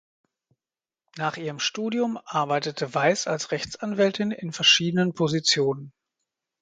Nach ihrem Studium arbeitete Weiss als Rechtsanwältin in verschiedenen Positionen.